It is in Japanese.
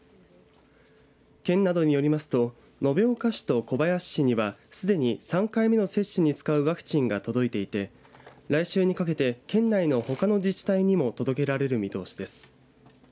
県などによりますと延岡市と小林市にはすでに３回目の接種に使うワクチンが届いていて来週にかけて県内のほかの自治体にも届けられる見通しです。